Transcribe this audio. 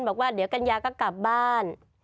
บอกว่าเดี๋ยวกัญญาก็กลับบ้าน